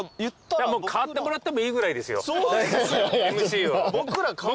代わってもらってもいいぐらいですよＭＣを。